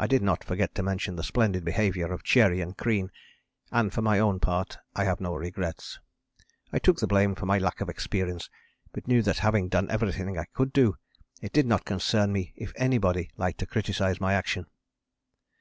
I did not forget to mention the splendid behaviour of Cherry and Crean, and, for my own part, I have no regrets. I took the blame for my lack of experience, but knew that having done everything I could do, it did not concern me if anybody liked to criticize my action.